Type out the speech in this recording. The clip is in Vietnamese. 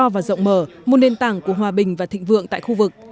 và thịnh vượng tại khu vực